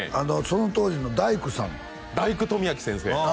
その当時の大工さん大工富明先生